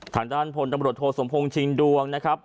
ทางด้านพลตำรวจโทสมพงษ์ชิงดวงนะครับ